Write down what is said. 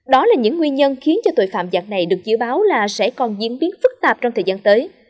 đó là những nguyên nhân khiến cho tội phạm giặc này được dự báo là sẽ còn diễn biến phức tạp trong thời gian tới